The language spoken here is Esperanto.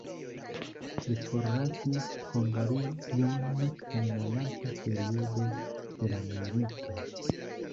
Li forlasis Hungarujon en la lasta periodo de la milito.